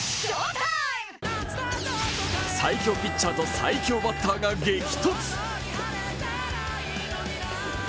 最強ピッチャーと最強バッターが激突。